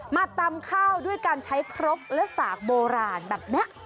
มาตำข้าวด้วยการใช้ครกและสากโบราณแบบนี้